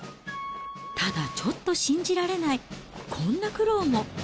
ただちょっと信じられないこんな苦労も。